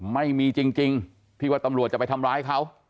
ไม่มีจริงที่ว่าตำรวจจะไปทำร้ายเขา